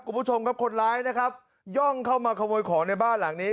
คุณผู้ชมครับคนร้ายนะครับย่องเข้ามาขโมยของในบ้านหลังนี้